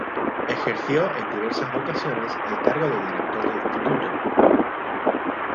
Ejerció en diversas ocasiones el cargo de director de instituto.